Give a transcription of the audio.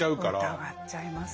疑っちゃいます。